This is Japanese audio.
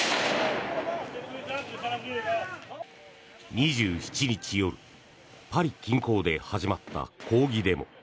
２７日夜、パリ近郊で始まった抗議デモ。